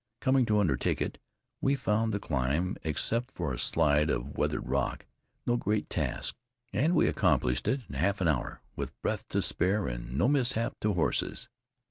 Coming to undertake it, we found the climb except for a slide of weathered rock no great task, and we accomplished it in half an hour, with breath to spare and no mishap to horses.